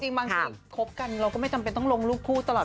จริงบางสิ่งคบกันเราก็ไม่จำเป็นต้องลงลูกคู่ตลอด